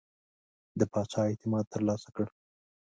د پاچا اعتماد ترلاسه کړ.